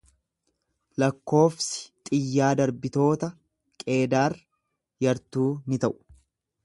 Lakkofsi xiyyaa-darbitoota Qeedaar yartuu ni ta'u.